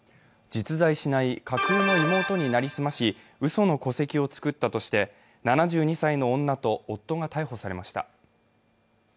実在しない架空の妹に成り済まし、うその戸籍をつくったとして７２歳の女と夫が逮捕されました。